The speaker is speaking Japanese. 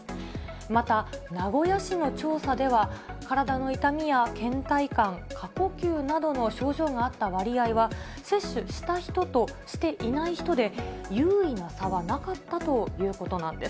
また、名古屋市の調査では、体の痛みやけん怠感、過呼吸などの症状があった割合は、接種した人としていない人で、有意な差はなかったということなんです。